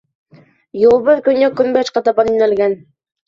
Юлыбыҙ көньяҡ-көнбайышҡа табан йүнәлгән.